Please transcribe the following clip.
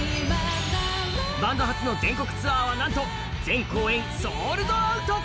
初の全国ツアーはなんと全公演ソールドアウト。